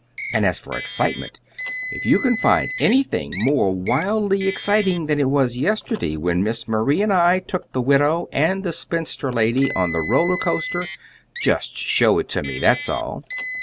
And as for excitement if you can find anything more wildly exciting than it was yesterday when Miss Marie and I took the widow and the spinster lady on the Roller coaster just show it to me; that's all!"